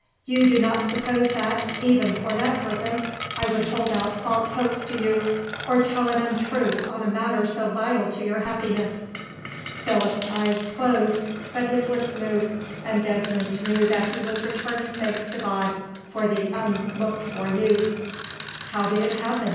You do not suppose that, even for that purpose, I would hold out false hopes to you; or tell an untruth on a matter so vital to your happiness." Philip's eyes closed, but his lips moved, and Desmond knew that he was returning thanks to God for this unlooked for news. "How did it happen?"